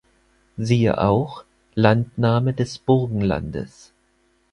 Siehe auch: Landnahme des Burgenlandes